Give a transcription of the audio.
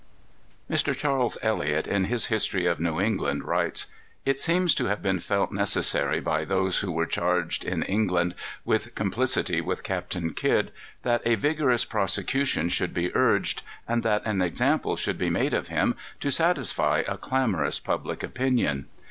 Mr. Charles Elliot, in his History of New England, writes: "It seems to have been felt necessary by those who were charged, in England, with complicity with Captain Kidd, that a vigorous prosecution should be urged, and that an example should be made of him, to satisfy a clamorous public opinion.